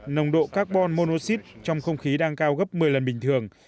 nồng độ carbon monoxide trong không khí đang cao gấp một mươi lần bình thường